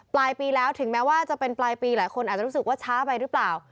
ปลายปีแล้วถึงแม้ว่าจะเป็นปลายปีหลายคนอาจจะรู้สึกว่าช้าไปหรือเปล่า